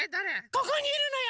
ここにいるのよ！